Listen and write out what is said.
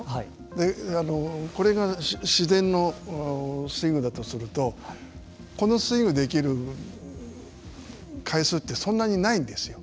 これが自然のスイングだとするとこのスイングできる回数ってそんなにないんですよ。